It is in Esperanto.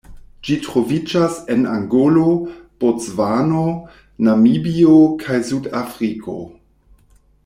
Ĝi troviĝas en Angolo, Bocvano, Namibio kaj Sudafriko.